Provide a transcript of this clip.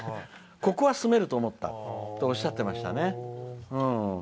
ここは住めると思ったっておっしゃってましたね。